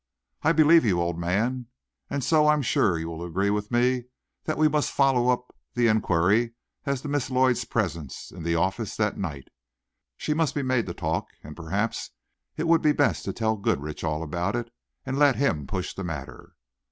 "I believe you, old man; and so I'm sure you will agree with me that we must follow up the inquiry as to Miss Lloyd's presence in the office that night. She must be made to talk, and perhaps it would be best to tell Goodrich all about it, and let him push the matter."